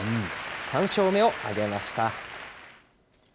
３勝目を挙げました。